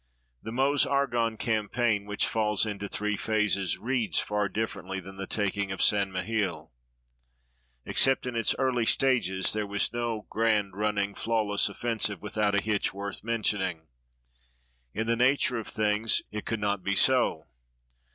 The Meuse Argonne campaign, which falls into three phases, reads far differently than the taking of St. Mihiel. Except in its early stages this was no grand running, flawless offensive without a hitch worth mentioning. In the nature of things it could not be so.